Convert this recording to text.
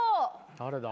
誰だ？